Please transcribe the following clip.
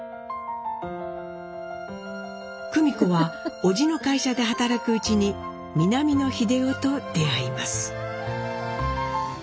久美子は叔父の会社で働くうちに南野英夫と出会います。